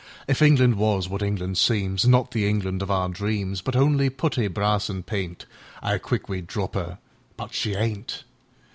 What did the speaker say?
If England was what England seemsAn' not the England of our dreams, But only putty, brass, an' paint,'Ow quick we'd drop 'er! But she ain't!